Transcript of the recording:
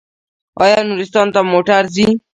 آیا نورستان ته موټر ځي؟